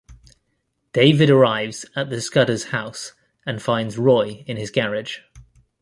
David arrives at the Scudder's house and finds Roy in his garage.